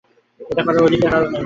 এটা করার অধিকার কারো নেই।